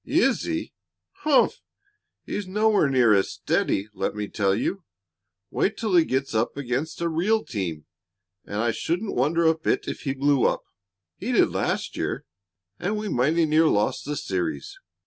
"Is he? Humph! He's nowhere near as steady, let me tell you. Wait till he gets up against a real team, and I shouldn't wonder a bit if he blew up. He did last year, and we mighty near lost the series.